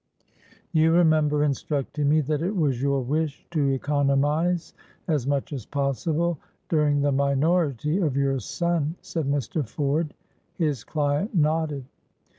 "You remember instructing me that it was your wish to economize as much as possible during the minority of your son?" said Mr. Ford. His client nodded.